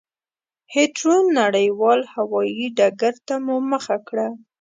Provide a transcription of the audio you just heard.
هېترو نړېوال هوایي ډګرته مو مخه کړه.